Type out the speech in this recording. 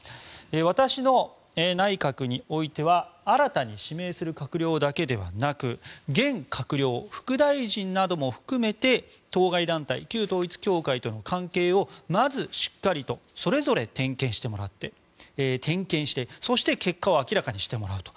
私の内閣においては新たに指名する閣僚だけではなく現閣僚・副大臣なども含めて当該団体、旧統一教会との関係をまずしっかりとそれぞれ点検してそして、結果を明らかにしてもらうと。